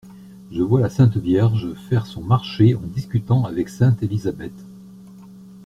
Je vois la Sainte Vierge faire son marché en discutant avec sainte Elisabeth.